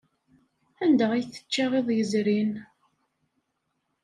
Anda ay tečča iḍ yezrin?